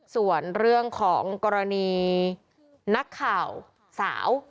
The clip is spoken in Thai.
ส่วนเรื่องของกรณีนักข่าวสาว